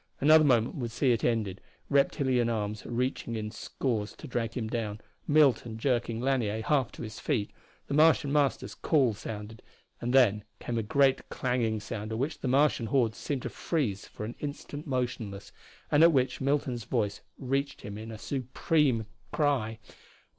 Another moment would see it ended reptilian arms reaching in scores to drag him down Milton jerking Lanier half to his feet. The Martian Master's call sounded and then came a great clanging sound at which the Martian hordes seemed to freeze for an instant motionless, at which Milton's voice reached him in a supreme cry.